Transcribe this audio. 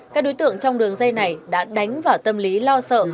các đối tượng trong đường dây này đã đánh vào tâm lý lo sợ